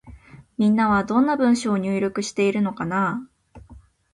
みんなは、どんな文章を入力しているのかなぁ。